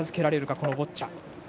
このボッチャ。